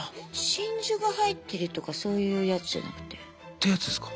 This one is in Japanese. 真珠が入ってるとかそういうやつじゃなくて？ってやつですか？